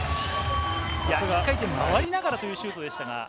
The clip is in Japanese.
１回転、回りながらというシュートでしたが。